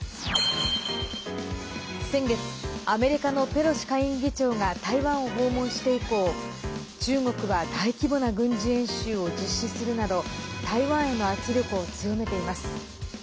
先月、アメリカのペロシ下院議長が台湾を訪問して以降中国は大規模な軍事演習を実施するなど台湾への圧力を強めています。